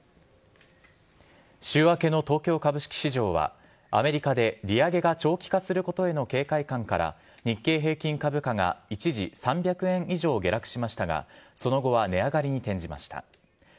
週明けの東京株式市場は、アメリカで利上げが長期化することへの警戒感から、日経平均株価が一時３００円以上下落しましたが、その後は値上がりに転じました。